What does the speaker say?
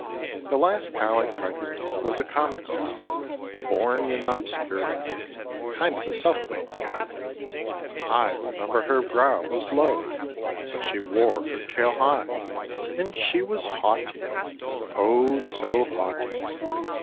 The last cow I tried to milk was a common cow, born in obscurity; kind of a self made cow. I remember her brow was low, but she wore her tail high and she was haughty, oh, so haughty.